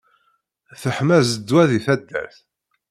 Teḥma zzedwa deg taddart!